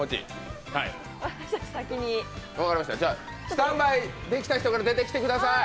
スタンバイできた人から出てきてください。